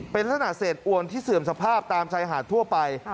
เป็นลักษณะเศษอวนที่เสื่อมสภาพตามชายหาดทั่วไป